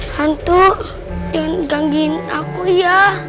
hantu jangan gangguin aku ya